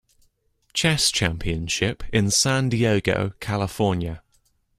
Chess Championship in San Diego, California.